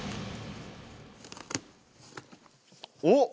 おっ！